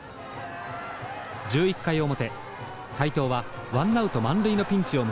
１１回表斎藤はワンナウト満塁のピンチを迎えます。